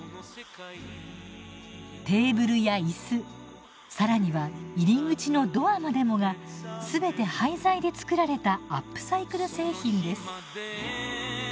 テーブルや椅子更には入り口のドアまでもが全て廃材で作られたアップサイクル製品です。